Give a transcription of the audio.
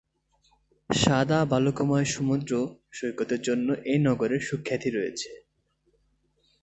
সাদা বালুকাময় সমুদ্র সৈকতের জন্য এ নগরের সুখ্যাতি রয়েছে।